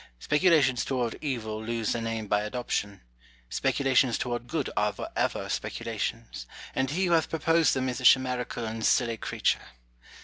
Speculations toward evil lose their name by adoption ; speculations toward good are for ever speculations, and he who hath proposed them is a chimerical and silly creature.